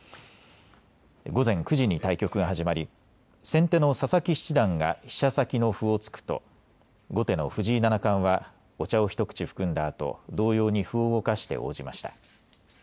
午前９時に対局が始まり先手の佐々木七段が飛車先の歩を突くと後手の藤井七冠はお茶を一口含んだあと同様に歩を動かして応じました。